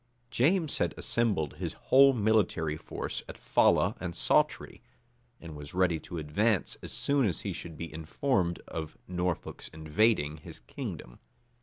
James had assembled his whole military force at Fala and Sautrey, and was ready to advance as soon as he should be informed of Norfolk's invading his kingdom.